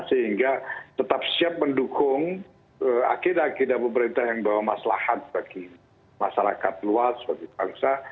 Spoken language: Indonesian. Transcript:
sehingga tetap siap mendukung agenda agenda pemerintah yang bawa masalahan bagi masyarakat luas bagi bangsa